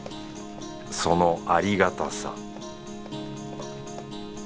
そのありがたさ